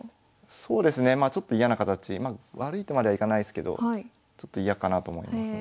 そうですねまあちょっと嫌な形。悪いとまではいかないですけどちょっと嫌かなと思いますので。